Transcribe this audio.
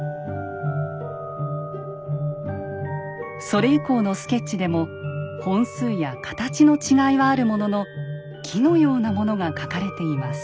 それ以降のスケッチでも本数やカタチの違いはあるものの木のようなものが描かれています。